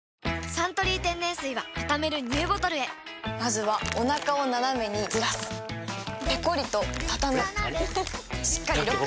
「サントリー天然水」はたためるＮＥＷボトルへまずはおなかをナナメにずらすペコリ！とたたむしっかりロック！